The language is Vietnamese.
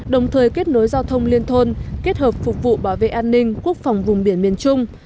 đồng thời kết nối giao thông liên thôn kết hợp phục vụ bảo vệ an ninh quốc phòng vùng biển miền trung